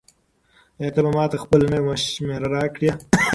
آیا ته به ماته خپله نوې شمېره راکړې؟